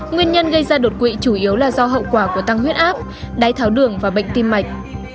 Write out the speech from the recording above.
nguyên nhân gây ra đột quỵ chủ yếu là do hậu quả của tăng huyết áp đáy tháo đường và bệnh tim mạch